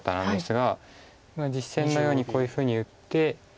実戦のようにこういうふうに打って。